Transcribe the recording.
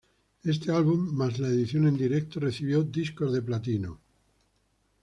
Este álbum, más la edición en directo, recibió disco de platino.